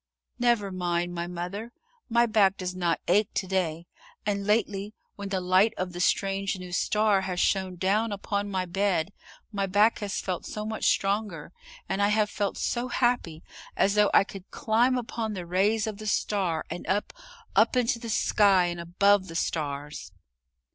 "Never mind, my mother. My back does not ache today, and lately when the light of the strange new star has shone down upon my bed my back has felt so much stronger and I have felt so happy, as though I could climb upon the rays of the star and up, up into the sky and above the stars!"